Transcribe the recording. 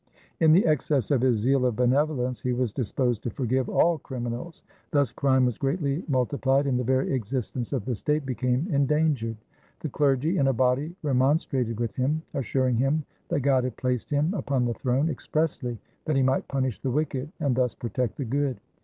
In the excess of his zeal of benevolence he was disposed to forgive all criminals. Thus crime was greatly multi plied, and the very existence of the state became endan gered. The clergy, in a body, remonstrated with him, assuring him that God had placed him upon the throne expressly that he might punish the wicked and thus pro tect the good.